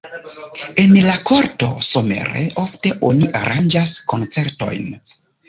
En la korto somere ofte oni aranĝas koncertojn.